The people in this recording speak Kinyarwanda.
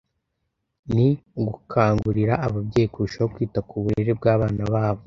ni ugukangurira ababyeyi kurushaho kwita ku burere bw’abana babo